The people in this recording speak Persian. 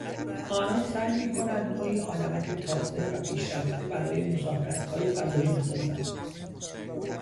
آنان سعی میکنند نوعیآدمک تازه و پیشرفته برای مسافرتهای فضایی بسازند.